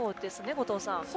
後藤さん。